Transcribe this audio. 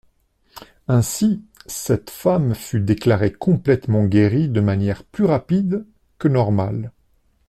Ainsi, cette femme fut déclarée complètement guérie de manière plus rapide que normale.